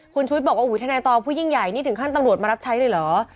คุณชุวิตบอกว่าทนายตองผู้ยิ่งใหญ่นี่ถึงขั้นตำรวจมารับใช้เลยเหรอ